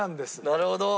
なるほど。